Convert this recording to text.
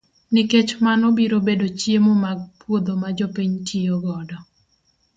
Nikech mano biro bedo chiemo mag puodho ma jopiny tiyo godo.